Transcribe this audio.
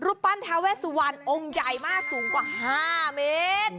ปั้นทาเวสุวรรณองค์ใหญ่มากสูงกว่า๕เมตร